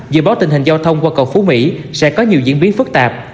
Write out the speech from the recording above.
dự báo tình hình giao thông qua cầu phú mỹ sẽ có nhiều diễn biến phức tạp